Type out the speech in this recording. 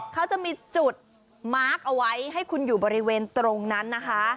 เขาจะมีจุดมาร์คเอาไว้ให้คุณอยู่บริเวณตรงนั้นนะคะ